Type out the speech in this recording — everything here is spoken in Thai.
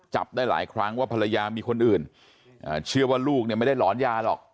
จับได้หลายครั้งว่าภรรยามีคนอื่นเชื่อว่าลูกเนี่ยไม่ได้หลอนยาหรอก